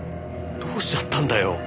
どうしちゃったんだよ？